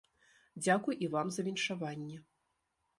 Дзякуй і вам за віншаванне.